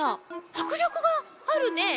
はくりょくがあるね。